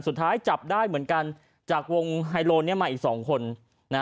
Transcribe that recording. สุดท้ายจับได้เหมือนกันจากวงไฮโลมาอีก๒คน